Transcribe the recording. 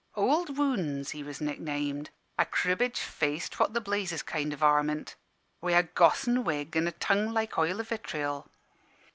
'Ould Wounds' he was nick named a cribbage faced, what the blazes kind o' varmint, wi' a gossan wig an' a tongue like oil o' vitriol.